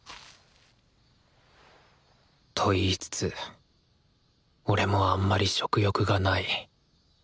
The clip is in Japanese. と言いつつ俺もあんまり食欲がない。